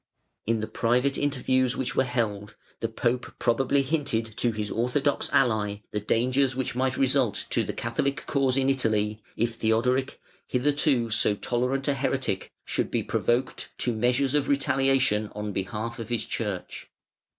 In the private interviews which were held, the Pope probably hinted to his orthodox ally the dangers which might result to the Catholic cause in Italy, if Theodoric, hitherto so tolerant a heretic, should be provoked to measures of retaliation on behalf of his Church.